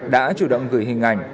đã chủ động gửi hình ảnh